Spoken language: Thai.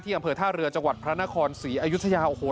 ที่อำเภอท่าเรือจังหวัดพระนครศรีอายุทยา